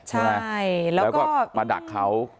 ใช่แล้วก็มาดักเขา